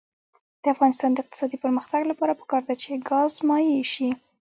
د افغانستان د اقتصادي پرمختګ لپاره پکار ده چې ګاز مایع شي.